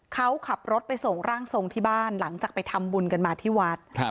เขาขับรถไปส่งร่างทรงที่บ้านหลังจากไปทำบุญกันมาที่วัด